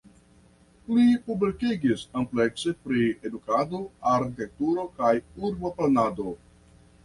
Li publikigis amplekse pri edukado, arkitekturo kaj urboplanado.